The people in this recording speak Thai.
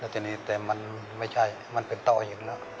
แล้วทีนี้แต่มันไม่ใช่มันเป็นต้องอยู่แล้ว